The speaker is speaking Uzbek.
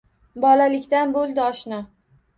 Bolalikdan boʼldi oshna.